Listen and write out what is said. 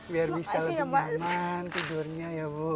biar bisa lebih nyaman tidurnya ya bu